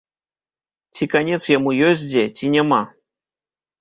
Ці канец яму ёсць дзе, ці няма?